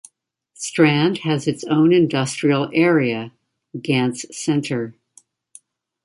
Strand has its own industrial area, Gants Centre.